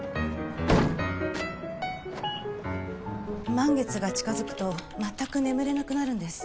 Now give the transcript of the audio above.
満月が近づくと全く眠れなくなるんです。